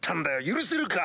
許せるか？